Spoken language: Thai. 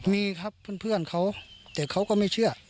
มีครับเพื่อนเขาแต่เขาก็ไม่เชื่อ